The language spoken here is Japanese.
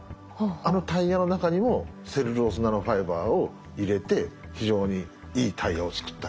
あのタイヤの中にもセルロースナノファイバーを入れて非常にいいタイヤを作ったり。